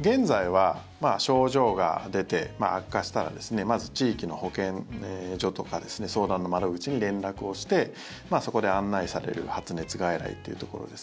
現在は症状が出て悪化したらまず地域の保健所とか相談の窓口に連絡をしてそこで案内される発熱外来っていうところですね。